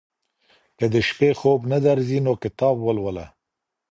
که د شپې خوب نه درځي نو کتاب ولوله.